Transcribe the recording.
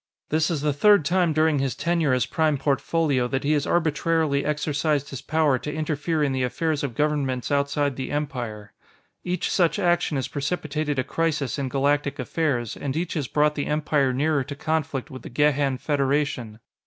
This is the third time during his tenure as Prime Portfolio that he has arbitrarily exercised his power to interfere in the affairs of governments outside the Empire. Each such action has precipitated a crisis in Galactic affairs, and each has brought the Empire nearer to conflict with the Gehan Federation.